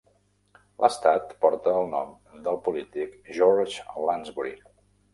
L'estat porta el nom del polític George Lansbury.